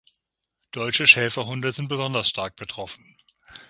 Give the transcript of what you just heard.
Deutsche Schäferhunde sind besonders stark betroffen.